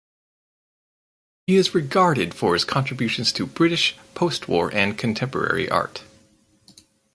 He is regarded for his contributions to British Postwar and Contemporary art.